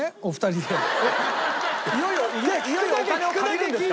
えっいよいよお金を借りるんですか？